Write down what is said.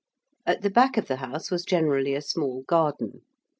At the back of the house was generally a small garden.